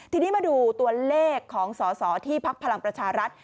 ทีนี้มาดูตัวเลขของสอสอที่พักพลังประชารัฐ